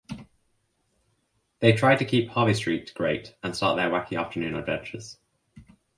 They try to keep Harvey Street great and start their wacky afternoon adventures.